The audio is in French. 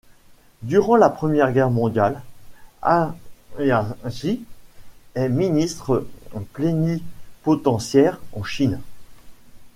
Durant la Première Guerre mondiale, Hayashi est ministre plénipotentiaire en Chine.